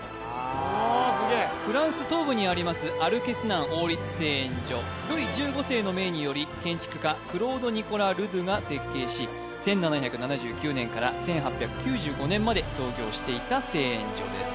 おおすげえフランス東部にありますアル＝ケ＝スナン王立製塩所ルイ１５世の命により建築家クロード・ニコラ・ルドゥーが設計し１７７９年から１８９５年まで操業していた製塩所です